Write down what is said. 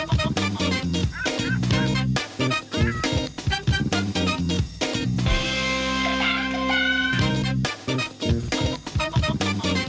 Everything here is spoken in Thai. สวัสดีครับ